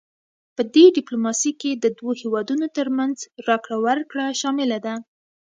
پدې ډیپلوماسي کې د دوه هیوادونو ترمنځ راکړه ورکړه شامله ده